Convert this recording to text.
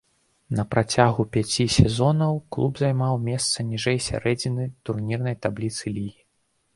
На працягу пяці сезонаў клуб займаў месца ніжэй сярэдзіны турнірнай табліцы лігі.